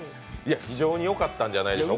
非常によかったんじゃないでしょうか。